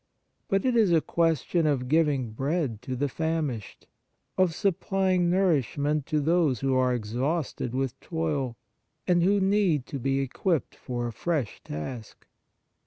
But it is a question of giving bread to the famished, of supplying nourish ment to those who are exhausted with toil, and who need to be equipped for a fresh task.